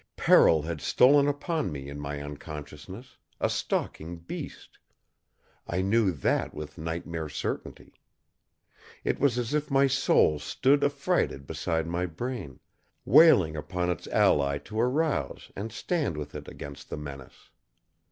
Peril had stolen upon me in my unconsciousness, a stalking beast. I knew that with nightmare certainty. It was as if my soul stood affrighted beside my brain, wailing upon its ally to arouse and stand with it against the menace.